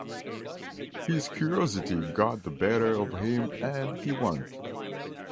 His curiosity got the better of him and he went.